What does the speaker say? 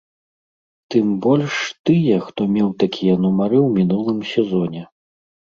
Тым больш тыя, хто меў такія нумары ў мінулым сезоне.